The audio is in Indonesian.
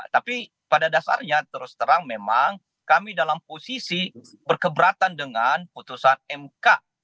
tapi pada dasarnya terus terang memang kami dalam posisi berkeberatan dengan putusan mk